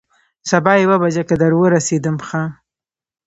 سبا یوه بجه که در ورسېدم، ښه.